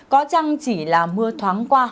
có chăng chỉ là mưa thoáng qua